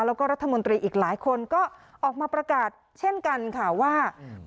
แล้วก็รัฐมนตรีอีกหลายคนก็ออกมาประกาศเช่นกันค่ะว่า